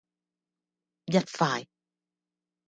一塊